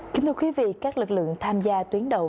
kính thưa quý vị các lực lượng tham gia tuyến đầu